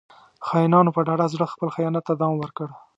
• خاینانو په ډاډه زړه خپل خیانت ته دوام ورکړ.